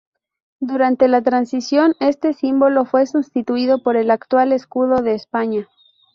Durante la transición, este símbolo fue sustituido por el actual escudo de España.